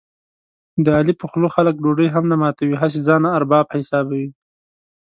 د علي په خوله خلک ډوډۍ هم نه ماتوي، هسې ځان ارباب حسابوي.